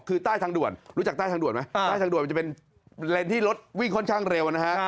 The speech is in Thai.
คือใต้ทางด่วนรู้จักใต้ทางด่วนไหมใต้ทางด่วนมันจะเป็นเลนที่รถวิ่งค่อนข้างเร็วนะฮะ